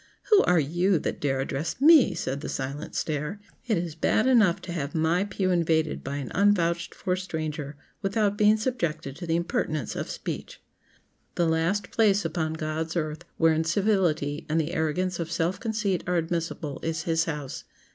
"Who are you that dare address me!" said the silent stare. "It is bad enough to have my pew invaded by an unvouched for stranger without being subjected to the impertinence of speech!" The last place upon God's earth where incivility and the arrogance of self conceit are admissible is His house.